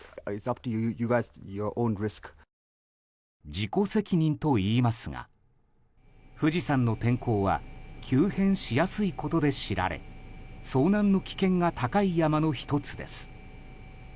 自己責任と言いますが富士山の天候は急変しやすいことで知られ遭難の危険が高い山の１つです。